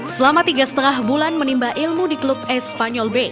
selama tiga lima bulan menimba ilmu di klub e spanyol b